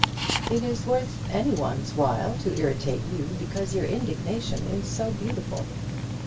"It is worth any one's while to irritate you, because your indignation is so beautiful."